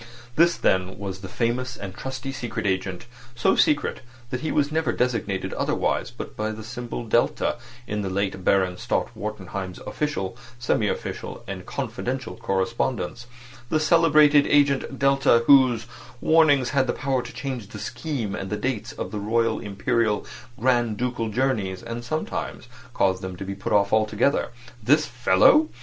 This was then the famous and trusty secret agent, so secret that he was never designated otherwise but by the symbol [delta] in the late Baron Stott Wartenheim's official, semi official, and confidential correspondence; the celebrated agent [delta], whose warnings had the power to change the schemes and the dates of royal, imperial, grand ducal journeys, and sometimes caused them to be put off altogether! This fellow!